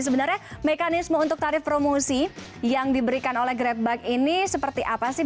sebenarnya mekanisme untuk tarif promosi yang diberikan oleh grabbike ini seperti apa sih